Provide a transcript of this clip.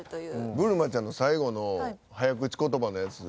ぶるまちゃんの最後の早口言葉のやつ